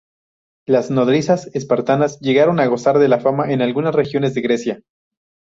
Las nodrizas espartanas llegaron a gozar de fama en algunas regiones de Grecia.